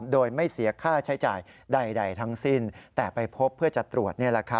โดยไม่เสียค่าใช้จ่ายใดทั้งสิ้นแต่ไปพบเพื่อจะตรวจ